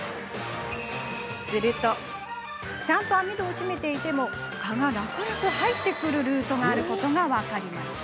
するとちゃんと網戸を閉めていても蚊が楽々入ってくるルートがあることが分かりました。